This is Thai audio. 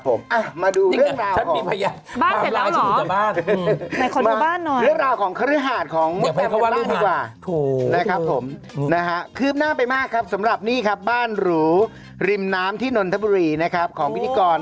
ก็มดก็ระวังตัวแล้วก็อยู่กับไม่กี่คนก็ไม่น่าจะเป็นหรอก